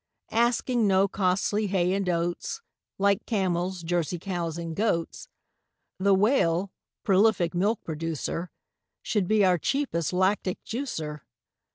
Asking no costly hay and oats, Like camels, Jersey cows, and goats, The Whale, prolific milk producer, Should be our cheapest lactic juicer.